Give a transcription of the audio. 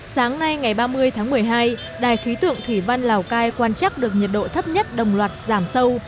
sáng nay ngày ba mươi tháng một mươi hai đài khí tượng thủy văn lào cai quan trắc được nhiệt độ thấp nhất đồng loạt giảm sâu